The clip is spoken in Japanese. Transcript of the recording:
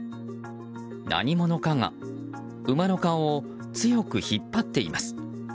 何者かが馬の顔を強く引っ張っています。